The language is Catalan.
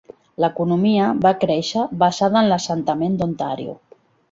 L'economia va créixer basada en l'assentament d'Ontario.